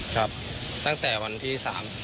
ครับตั้งแต่วันที่๓